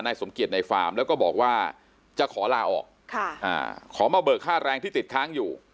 สมเกียจในฟาร์มแล้วก็บอกว่าจะขอลาออกขอมาเบิกค่าแรงที่ติดค้างอยู่